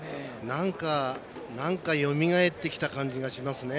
なんかよみがえってきた感じがしますね。